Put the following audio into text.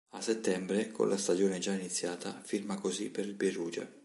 A settembre, con la stagione già iniziata, firma così per il Perugia.